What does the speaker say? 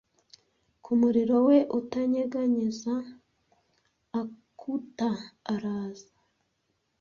Kumurimo we utanyeganyeza accouter araza,